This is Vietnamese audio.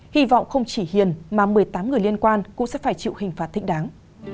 hy vọng không chỉ hiền mà một mươi tám người liên quan cũng sẽ phải chịu hình phạt thích đáng